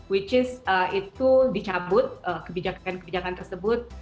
yang itu dicabut kebijakan kebijakan tersebut